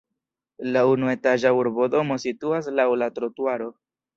La unuetaĝa urbodomo situas laŭ la trotuaro.